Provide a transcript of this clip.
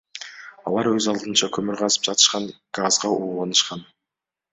Алар өз алдынча көмүр казып жатышып газга улаанышкан.